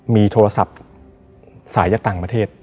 มีโทรศัพท์สายจากต่างประเทศ